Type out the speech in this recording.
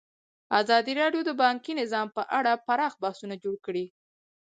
ازادي راډیو د بانکي نظام په اړه پراخ بحثونه جوړ کړي.